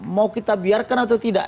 mau kita biarkan atau tidak